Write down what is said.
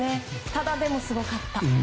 ただ、でもすごかった。